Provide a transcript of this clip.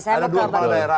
ada dua kepala daerah